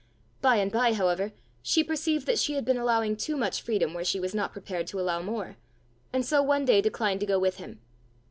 By and by, however, she perceived that she had been allowing too much freedom where she was not prepared to allow more, and so one day declined to go with him.